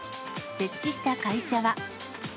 設置した会社は。